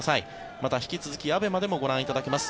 また引き続きＡＢＥＭＡでもご覧いただけます。